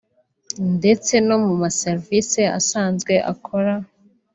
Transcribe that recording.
ndetse no mu maserivisi asanzwe akora